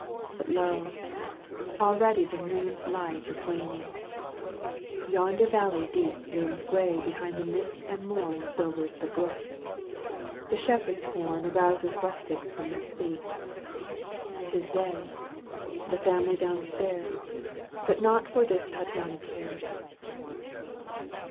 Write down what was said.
But lo ! already the moon's light Is waning» Yonder valley deep Looms gray behind the mist and mom Silvers the brook ; the shepherd's horn Arouses rustics from their sleep. 'Tis day, the family downstairs, . But nought for this Tattiana cares.